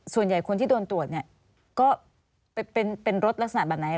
ส่วนใหญ่คนที่โดนตรวจเนี่ยก็เป็นรถลักษณะแบบไหน